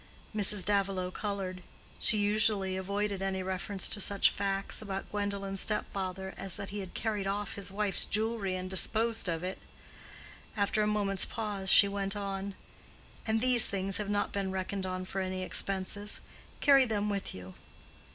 Mrs. Davilow colored. She usually avoided any reference to such facts about Gwendolen's step father as that he had carried off his wife's jewelry and disposed of it. After a moment's pause she went on, "And these things have not been reckoned on for any expenses. Carry them with you."